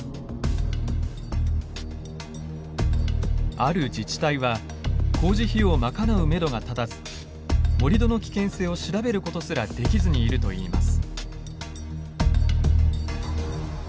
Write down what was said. ある自治体は工事費用を賄うめどが立たず盛土の危険性を調べることすらできずにいるといいます。